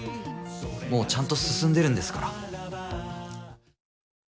もうちゃんと進んでるんですから。